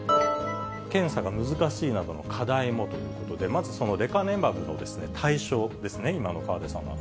検査が難しいなどの課題もということで、まずそのレカネマブの対象ですね、今の河出さんの話。